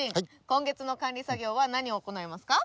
今月の管理作業は何を行ないますか？